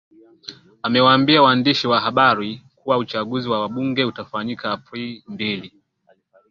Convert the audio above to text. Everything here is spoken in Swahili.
amewaambia waandishi wa habari kuwa uchaguzi wa wabunge utafanyika aprili mbili